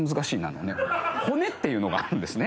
あのね骨っていうのがあるんですね。